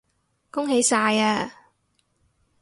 恭喜晒呀